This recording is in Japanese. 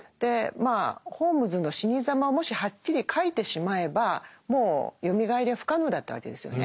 まあホームズの死に様をもしはっきり書いてしまえばもうよみがえりは不可能だったわけですよね。